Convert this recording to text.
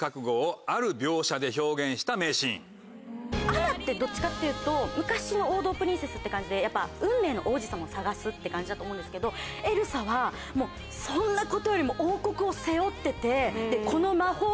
アナってどっちかっていうと昔の王道プリンセスって感じで運命の王子様を探すって感じだと思うんですけどエルサはそんなことよりも王国を背負ってて。